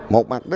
một mặt đó